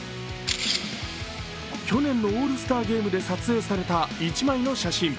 去年のオールスターゲームで撮影された１枚の写真。